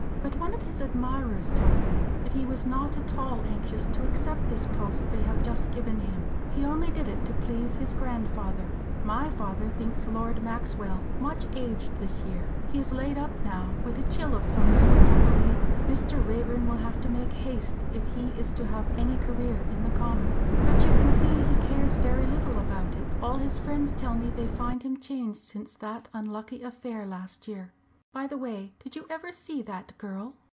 But one of his admirers told me that he was not at all anxious to accept this post they have just given him. He only did it to please his grandfather. My father thinks Lord Maxwell much aged this year. He is laid up now, with a chill of some sort I believe. Mr. Raeburn will have to make haste if he is to have any career in the Commons. But you can see he cares very little about it. All his friends tell me they find him changed since that unlucky affair last year. By the way, did you ever see that girl?"